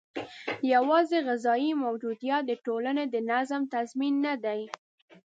یوازې غذايي موجودیت د ټولنې د نظم تضمین نه دی.